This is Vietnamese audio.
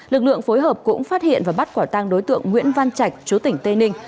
lực lượng phối hợp cũng phát hiện và bắt quả tăng đối tượng nguyễn văn trạch chúa tỉnh tây ninh